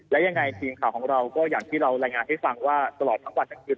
และยังไงทีมข่าวของเราก็อย่างที่เรารายงานให้ฟังว่าตลอดทั้งวันทั้งคืน